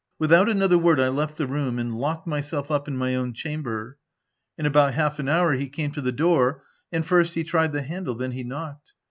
84 THE TENANT Without another word, I left the room, and locked myself up in my own chamber. In about half an hour, he came to the door ; and first he tried the handle, then he knocked.